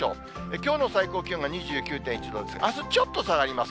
きょうの最高気温が２９．１度ですが、あす、ちょっと下がります。